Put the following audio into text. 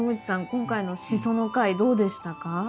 今回のシソの回どうでしたか？